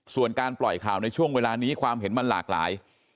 ส่วนการปล่อยข่าวในช่วงเวลานี้ความเห็นมันหลากหลาย